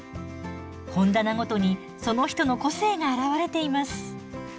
本棚ごとにその人の個性が表れています。